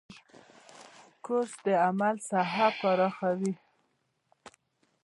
کورس د عمل ساحه پراخوي.